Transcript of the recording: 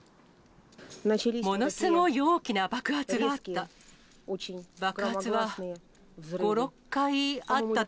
ものすごい大きな爆発があった。